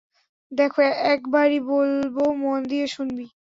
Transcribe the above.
দেখ, একবারই বলবো মন দিয়ে শোনবি।